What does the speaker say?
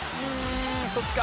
そっちか。